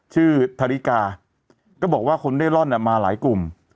ธาริกาก็บอกว่าคนเร่ร่อนมาหลายกลุ่ม